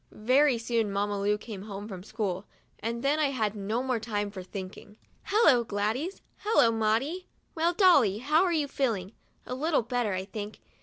Very soon Mamma Lu came home from school, and then I had no more time for thinking. "Hello, Gladys! Hello, Maudie! Well, Dolly, how are you feeling ? A little better, I think.